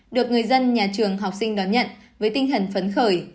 được người dân nhà trường học sinh đón nhận với tinh thần phấn khởi